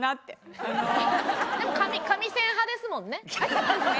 そうですね。